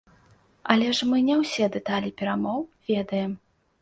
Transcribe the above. Але ж мы не ўсе дэталі перамоў ведаем.